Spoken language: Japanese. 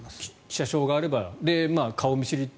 社証があれば顔見知りで。